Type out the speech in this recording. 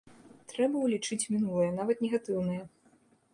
Трэба ўлічыць мінулае, нават негатыўнае.